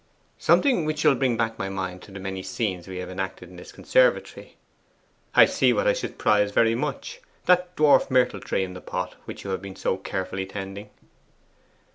'Something which shall bring back to my mind the many scenes we have enacted in this conservatory. I see what I should prize very much. That dwarf myrtle tree in the pot, which you have been so carefully tending.